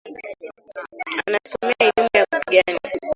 Anasomea elimu ya kupigana.